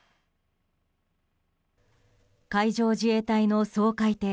海上自衛隊の掃海艇